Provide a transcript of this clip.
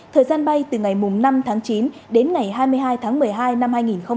thời gian bay từ ngày năm tháng chín đến ngày hai mươi hai tháng một mươi hai năm hai nghìn một mươi chín